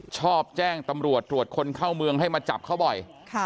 ชอบแจ้งตำรวจตรวจคนเข้าเมืองให้มาจับเขาบ่อย